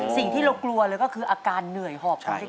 สิ่งที่เรากลัวเลยก็คืออาการเหนื่อยหอบของเด็ก